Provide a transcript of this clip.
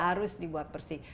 harus dibuat bersih